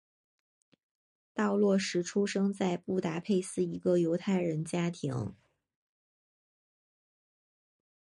道洛什出生在布达佩斯一个犹太人家庭。